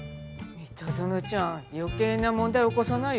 三田園ちゃん余計な問題起こさないようにね。